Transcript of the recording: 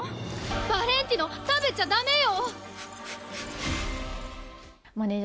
バレンティノ、食べちゃ駄目よ！